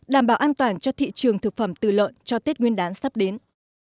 đảm bảo an toàn cho thị trường thực phẩm từ lợn cho tết nguyên đán sắp đến